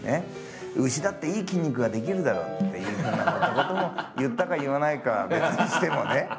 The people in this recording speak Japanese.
「牛だっていい筋肉が出来るだろ」っていうふうなことも言ったか言わないかは別にしてもね。ハハハハ！